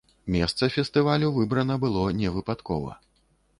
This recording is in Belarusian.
Месца фестывалю выбрана было невыпадкова.